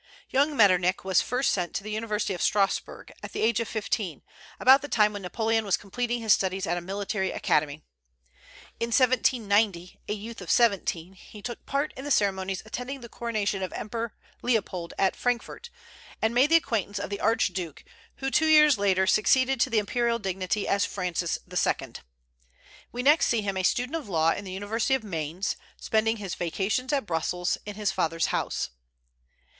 Young Metternich was first sent to the University of Strasburg, at the age of fifteen, about the time when Napoleon was completing his studies at a military academy. In 1790, a youth of seventeen, he took part in the ceremonies attending the coronation of Emperor Leopold at Frankfort, and made the acquaintance of the archduke, who two years later succeeded to the imperial dignity as Francis II. We next see him a student of law in the University of Mainz, spending his vacations at Brussels, in his father's house.